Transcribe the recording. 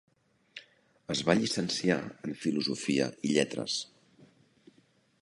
Es va llicenciar en filosofia i lletres.